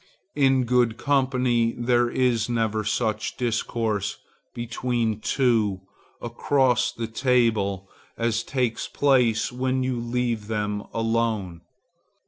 In good company there is never such discourse between two, across the table, as takes place when you leave them alone.